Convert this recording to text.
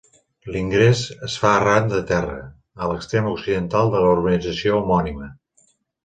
L'ingrés es fa arran de terra, a l'extrem occidental de la urbanització homònima.